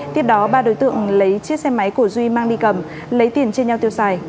tiếp đó ba đối tượng lấy chiếc xe máy của duy mang đi cầm lấy tiền chia nhau tiêu xài